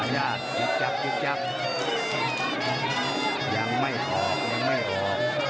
ยังไม่ออกยังไม่ออก